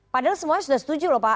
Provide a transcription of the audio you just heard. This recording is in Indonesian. padahal semuanya sudah setuju loh pak